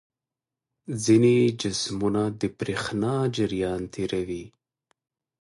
ځینې جسمونه د برېښنا جریان تیروي.